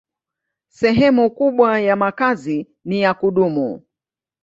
Sehemu kubwa ya makazi ni ya kudumu.